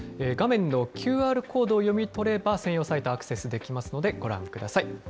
画面のＱＲコードを読み取れば、専用サイト、アクセスできますのでご覧ください。